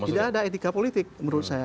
tidak ada etika politik menurut saya